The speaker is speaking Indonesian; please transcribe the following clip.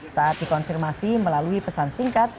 saat dikonfirmasi melalui pesan singkat